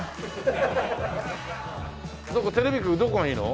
テレビ局どこがいいの？